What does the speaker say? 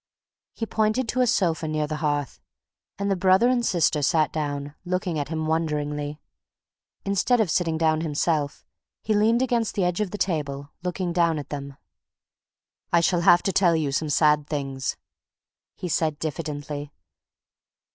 He pointed to a sofa near the hearth, and the brother and sister sat down, looking at him wonderingly. Instead of sitting down himself he leaned against the edge of the table, looking down at them. "I shall have to tell you some sad things," he said diffidently.